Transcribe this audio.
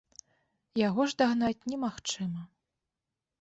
Яго ж дагнаць немагчыма.